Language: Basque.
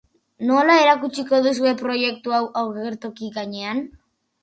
Nola erakutsiko duzue proiektu hau agertoki gainean?